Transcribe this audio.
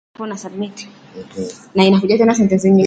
ukionekana imara na saidizi watu watakufuata na kukuamini